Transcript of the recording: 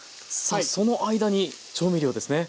さあその間に調味料ですね。